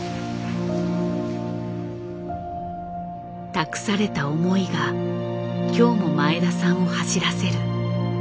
託された思いが今日も前田さんを走らせる。